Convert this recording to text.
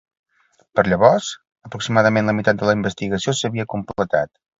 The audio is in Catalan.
Per llavors, aproximadament la meitat de la investigació s'havia completat.